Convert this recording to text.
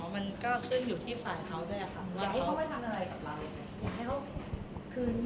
อ๋อมันก็ขึ้นอยู่ที่ฝ่ายเขาด้วยอะค่ะ